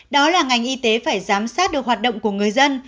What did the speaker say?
đó là ngành y tế phải giám sát được hoạt động của người dân